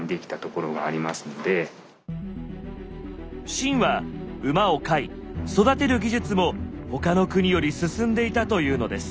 秦は馬を飼い育てる技術も他の国より進んでいたというのです。